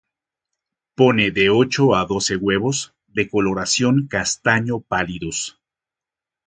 Pone de ocho a doce huevos, de coloración castaño pálidos.